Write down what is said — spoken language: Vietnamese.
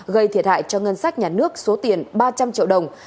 gây thiệt hại cho ngân sách nhà nước số tiền ba trăm linh triệu đồng